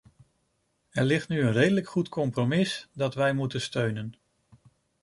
Er ligt nu een redelijk goed compromis, dat wij moeten steunen.